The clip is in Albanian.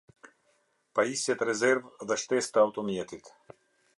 Pajisjet rezervë dhe shtesë të automjetit.